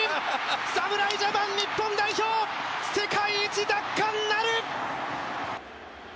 侍ジャパン日本代表、世界一奪還なる！